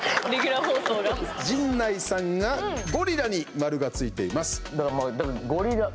陣内さんがゴリラに丸がついています。